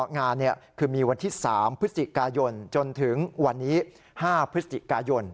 งานคือมีวันที่๓พฤศจิกายนจนถึงวันนี้๕พฤศจิกายน